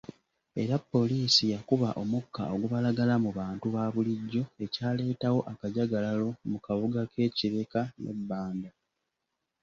Era poliisi yakuba omukka ogubalagala mu bantu babulijjo ekyaleetawo akajagalalo mu kabuga k'e Kireka ne Banda.